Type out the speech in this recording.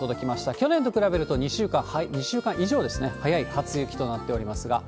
去年と比べると２週間以上早い初雪となっておりますが。